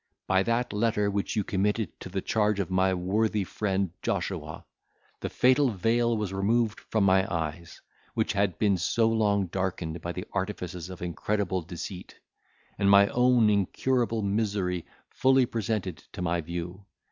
By that letter, which you committed to the charge of my worthy friend Joshua, the fatal veil was removed from my eyes, which had been so long darkened by the artifices of incredible deceit, and my own incurable misery fully presented to my view.